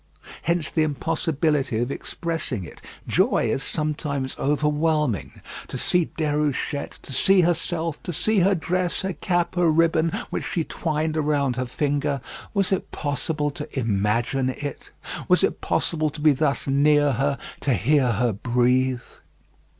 Hence the impossibility of expressing it. Joy is sometimes overwhelming. To see Déruchette, to see herself, to see her dress, her cap, her ribbon, which she twined around her finger, was it possible to imagine it? Was it possible to be thus near her; to hear her breathe?